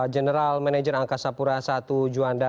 general manager angkasa pura i juanda heru prasetyo sudah bergabung dengan